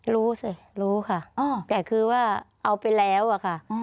รู้สิรู้ค่ะแต่คือว่าเอาไปแล้วอะค่ะ